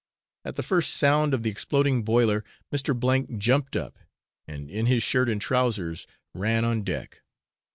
At the first sound of the exploding boiler, Mr. C jumped up, and in his shirt and trousers ran on deck.